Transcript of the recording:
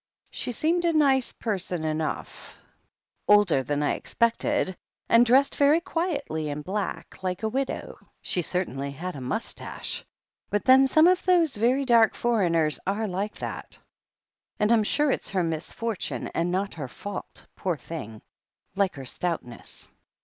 •*'She seemed a nice person enough— older than I expected, and dressed very quietly in black, like a widow. She certainly had a moustache, but then some of those very dark foreigners are like that, and I'm sure 94 THE HEEL OF ACHILLES 95 it's her misfortune, and not her fault, poor thing — ^like her stoutness."